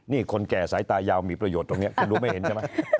นี่คนแก่สายตายาวมีประโยชน์ตรงนี้คุณรู้ไม่เห็นใช่ไหม